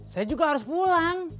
saya juga harus pulang